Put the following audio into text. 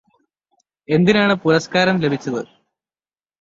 എന്തിനാണ് പുരസ്കാരം ലഭിച്ചത്?